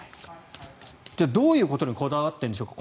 じゃあ、どういうことにこだわっているんでしょうか。